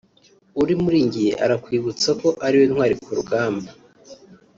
uri muri njye arakwibutsa ko ari we ntwari ku rugamba